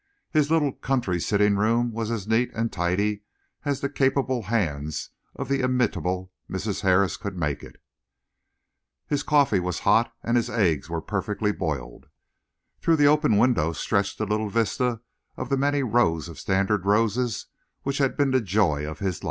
His little country sitting room was as neat and tidy as the capable hands of the inimitable Mrs. Harris could make it. His coffee was hot and his eggs were perfectly boiled. Through the open windows stretched a little vista of the many rows of standard roses which had been the joy of his life.